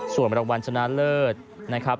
ส่วนรางวัลชนะเลิศนะครับ